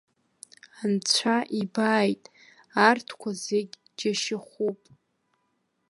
Анцәа ибааит, арҭқәа зегь џьашьахәуп.